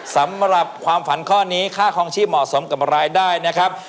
สำหรับความฝันข้อนี้ค่าคลองชีพเหมาะสมกับรายได้นะครับ